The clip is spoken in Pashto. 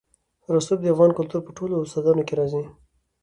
رسوب د افغان کلتور په ټولو داستانونو کې راځي.